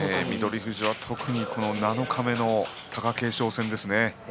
富士は七日目の貴景勝戦ですね。